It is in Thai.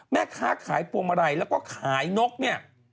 แม่ค้าขายพวงมาลัยแล้วก็ขายนกเนี่ย